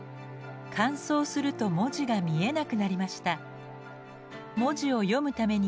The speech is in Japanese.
乾燥すると文字が見えなくなりました。